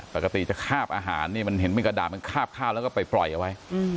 ปกติจะคาบอาหารนี่มันเห็นเป็นกระดาษมันคาบคาบแล้วก็ไปปล่อยเอาไว้